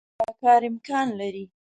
دا کار امکان لري.